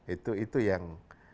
itu itu yang